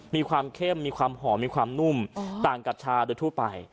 มีความเข้มมีความหอมมีความนุ่มต่างกับชาโดยทั่วไป